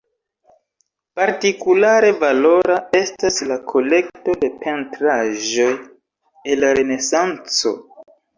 Partikulare valora, estas la kolekto de pentraĵoj el la Renesanco.